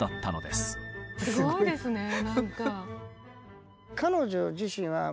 すごいですねなんか。